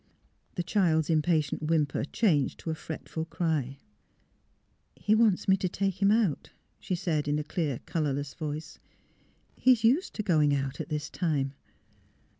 The child's impatient whimper changed to a fretful cry. " He wants me to take him out," she said, in a clear, colourless voice. " He is used to going out at this time."